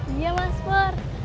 iya mas fer